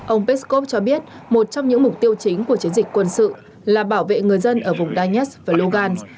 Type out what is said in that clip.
ông peskov cho biết một trong những mục tiêu chính của chiến dịch quân sự là bảo vệ người dân ở vùng danis và logan